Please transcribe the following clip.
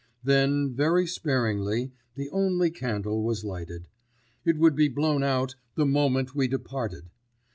Then, very sparingly, the only candle was lighted. It would be blown out the moment we departed.